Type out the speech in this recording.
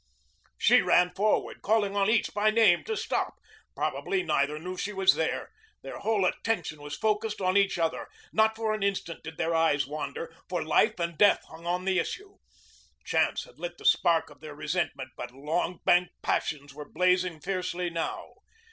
She ran forward, calling on each by name to stop. Probably neither knew she was there. Their whole attention was focused on each other. Not for an instant did their eyes wander, for life and death hung on the issue. Chance had lit the spark of their resentment, but long banked passions were blazing fiercely now.